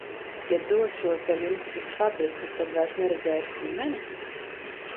Ja došos ar jums uz fabriku, tad vairs neredzēšu ģimeni?